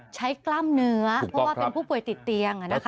กล้ามเนื้อเพราะว่าเป็นผู้ป่วยติดเตียง